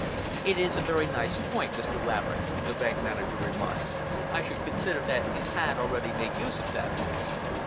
"It is a very nice point, Mr. Laverick," the bank manager remarked. "I should consider that you had already made use of them."